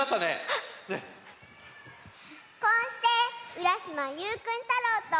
こうしてうらしまゆうくん太郎と。